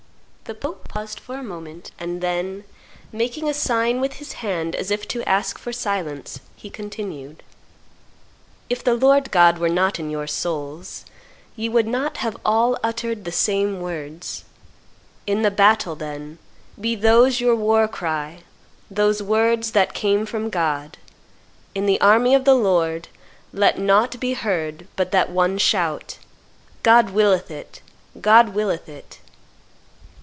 The Pope paused for a moment; and then, making a sign with his hand as if to ask for silence, he continued, "If the Lord God were not in your souls, ye would not all have uttered the same words. In the battle, then, be those your war cry, those words that came from God; in the army of the Lord let nought be heard but that one shout, 'God willeth it! God willeth it!